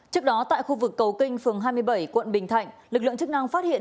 trước đó tại khu vực cầu kinh phường hai mươi bảy quận bình thạnh lực lượng chức năng phát hiện